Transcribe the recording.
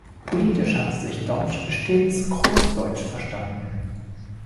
Politisch hatte sich Dopsch stets großdeutsch verstanden.